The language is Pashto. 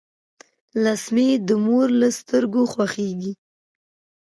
لمسی د مور له سترګو خوښیږي.